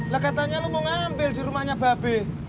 lah katanya lo mau ngambil di rumahnya babe